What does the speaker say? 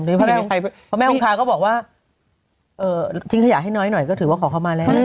เพราะแม่คนค้าก็บอกว่าเออถึงถ้าอยากให้น้อยหน่อยก็ถือว่าขอเข้ามาแล้ว